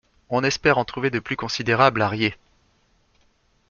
On espère en trouver de plus considérables à Ried.